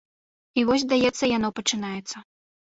І вось, здаецца, яно пачынаецца.